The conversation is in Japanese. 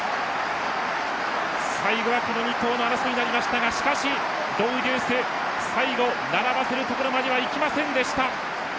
最後は、この２頭の争いになりましたがしかし、ドウデュース最後、並ばせるところまではいきませんでした。